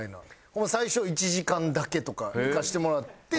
ホンマ最初１時間だけとか行かしてもらって。